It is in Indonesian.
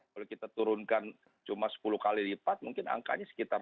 kalau kita turunkan cuma sepuluh kali lipat mungkin angkanya sekitar empat puluh